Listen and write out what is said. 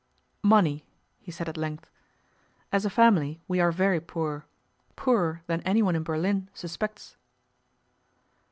'Money,' he said at length. 'As a family we are very poor poorer than anyone in Berlin suspects.